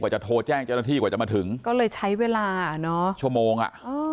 จะโทรแจ้งเจ้าหน้าที่กว่าจะมาถึงก็เลยใช้เวลาเนอะชั่วโมงอ่ะ